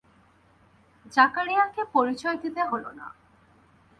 জাকারিয়াকে পরিচয় দিতে হল না।